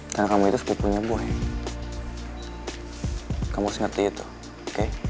karena kamu itu sepupunya gue kamu harus ngerti itu oke